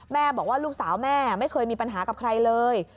บอกว่าลูกสาวแม่ไม่เคยมีปัญหากับใครเลย